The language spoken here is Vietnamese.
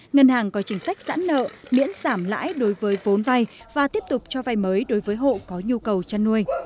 ngân hàng có chính sách giãn nợ miễn giảm lãi đối với vốn vay và tiếp tục cho vay mới đối với hộ có nhu cầu chăn nuôi